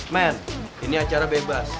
men ini acara bebas